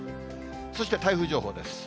そして台風情報です。